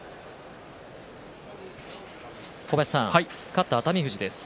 勝った熱海富士です。